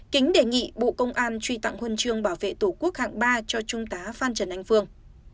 kính đề nghị bộ công an truy tặng huân chương bảo vệ tổ quốc hạng ba cho trung tá phan trần anh phương